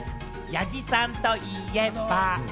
八木さんといえば。